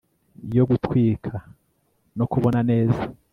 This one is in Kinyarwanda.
yo gutwika no kubona neza